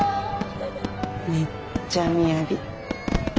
めっちゃ雅。